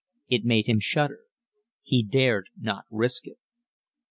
It made him shudder. He dared not risk it.